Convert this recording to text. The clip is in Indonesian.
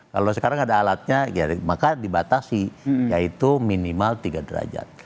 kalau sekarang ada alatnya maka dibatasi yaitu minimal tiga derajat